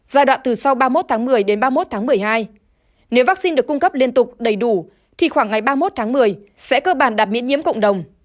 giai đoạn từ sau ba mươi một tháng một mươi đến ba mươi một tháng một mươi hai nếu vaccine được cung cấp liên tục đầy đủ thì khoảng ngày ba mươi một tháng một mươi sẽ cơ bản đạt miễn nhiễm cộng đồng